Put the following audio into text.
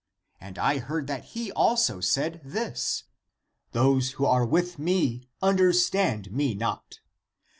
^^ And I heard that he also said this : Those who are with me, understood me not.